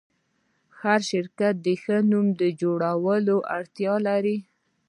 هر شرکت د ښه نوم جوړولو اړتیا لري.